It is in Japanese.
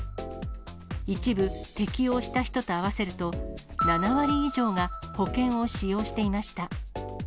一部適用した人と合わせると、７割以上が保険を使用していました。